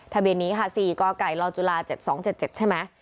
ทะเบียนนี้ค่ะสี่ก่อไก่รอจุลาเจ็ดสองเจ็ดเจ็ดใช่ไหม